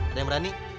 ada yang berani